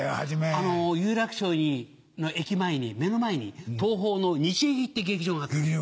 有楽町の駅前に目の前に東宝の日劇って劇場があったんですよ。